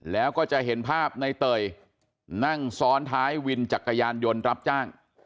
แล้วก็จะเห็นภาพในเตยนั่งซ้อนท้ายวินจักรยานยนต์รับจ้าง